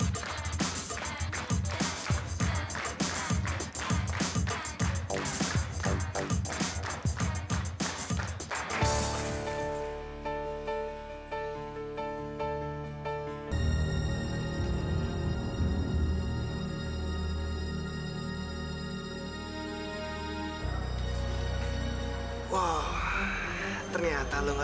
sampai jumpa di video selanjutnya